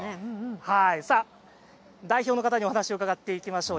代表の方にお話を伺っていきましょう。